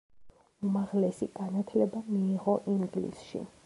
უმაღლესი განათლება მიიღო ინგლისში.